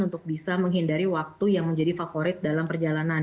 untuk bisa menghindari waktu yang menjadi favorit dalam perjalanan